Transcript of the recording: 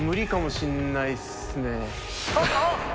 あっ。